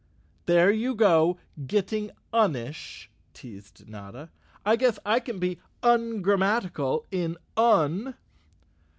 "There you go getting unish," teased Notta. "I guess I can be ungrammatical in Un."